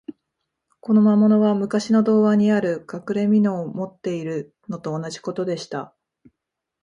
この魔物は、むかしの童話にある、かくれみのを持っているのと同じことでした。